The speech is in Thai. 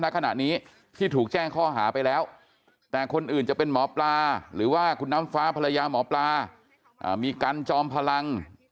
ขณะนี้ที่ถูกแจ้งข้อหาไปแล้วแต่คนอื่นจะเป็นหมอปลาหรือว่าคุณน้ำฟ้าภรรยาหมอปลามีกันจอมพลัง